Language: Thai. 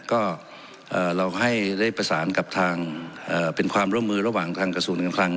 ก็เราให้ได้ประสานกับทางเป็นความร่วมมือระหว่างทางกระทรวงการคลัง